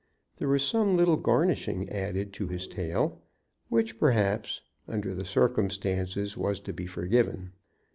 There was some little garnishing added to his tale, which, perhaps, under the circumstances, was to be forgiven.